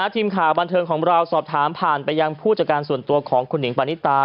ทีมข่าวบันเทิงของเราสอบถามผ่านไปยังผู้จัดการส่วนตัวของคุณหิงปานิตา